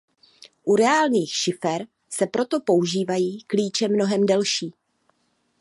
U reálných šifer se proto používají klíče mnohem delší.